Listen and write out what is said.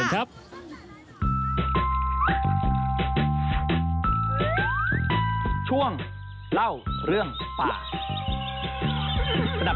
เช่นครับ